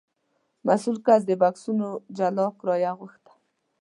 مسوول کس د بکسونو جلا کرایه غوښته.